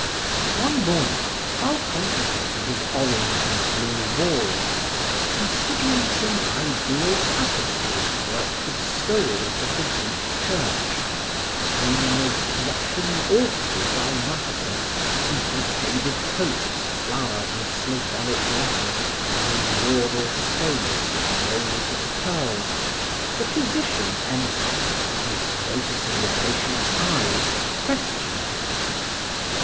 One morning, while contemplating his orange and blue walls, considering some ideal tapestries worked with stoles of the Greek Church, dreaming of Russian orphrey dalmaticas and brocaded copes flowered with Slavonic letters done in Ural stones and rows of pearls, the physician entered and, noticing the patient's eyes, questioned him.